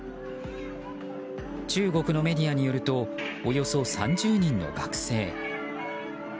中国のメディアによるとおよそ３０人の学生。